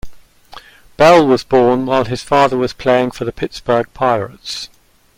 Bell was born while his father was playing for the Pittsburgh Pirates.